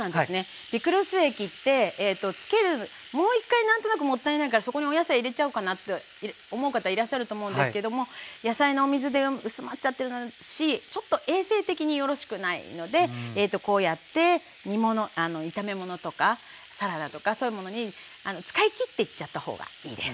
ピクルス液って漬けるもう一回何となくもったいないからそこにお野菜入れちゃおうかなと思う方いらっしゃると思うんですけども野菜のお水で薄まっちゃってるしちょっと衛生的によろしくないのでこうやって炒め物とかサラダとかそういうものに使いきっていっちゃったほうがいいです。